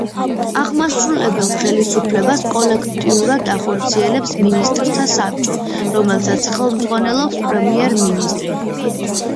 აღმასრულებელ ხელისუფლებას კოლექტიურად ახორციელებს მინისტრთა საბჭო, რომელსაც ხელმძღვანელობს პრემიერ-მინისტრი.